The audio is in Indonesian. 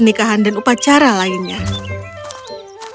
tidu juga tidak pernah menikah